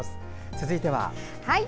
続いては。